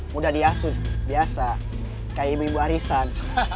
muda diasud biasa kayak ibu ibu arisan